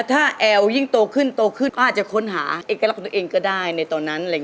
ถ้าแอลยิ่งโตขึ้นก็อาจจะค้นหาเอกลักษณ์ตัวเองก็ได้ในตอนนั้น